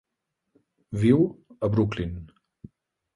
Viu a Brooklyn.